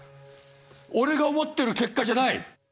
俺が思ってる結果じゃない！